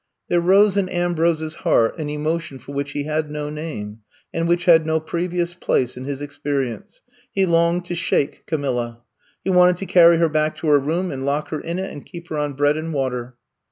There rose in Ambrose *s heart an emo tion for which he had no name and which had no previous place in his experience. He longed to shake Camilla. He wanted to carry her back to her room and lock her in it, and keep her on bread and water.